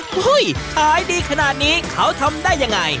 ขายดีขนาดนี้เขาทำได้ยังไง